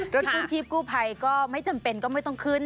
กู้ชีพกู้ภัยก็ไม่จำเป็นก็ไม่ต้องขึ้น